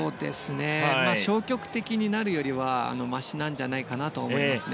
消極的になるよりはましなんじゃないかなと思いますね。